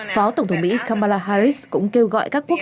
phó tổng thống mỹ kamala harris cũng kêu gọi các quân đội